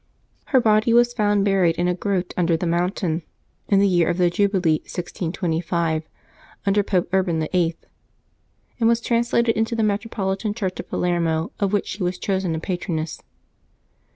Her body was found buried in a grot under the mountain, in the year of the jubilee, 1635, under Pope Urban VIII., and was translated into the metropolitan church of Palermo, of which she was chosen a patroness.